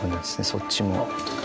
そっちも。